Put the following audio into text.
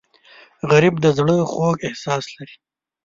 غریب د زړه خوږ احساس لري